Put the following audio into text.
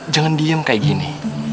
jangan diem kayak gini